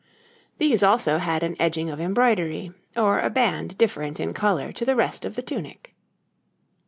These also had an edging of embroidery, or a band different in colour to the rest of the tunic.